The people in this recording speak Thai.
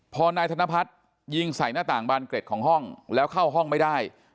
พอนายธนพัฒน์ยิงใส่หน้าต่างบานเกร็ดของห้องแล้วเข้าห้องไม่ได้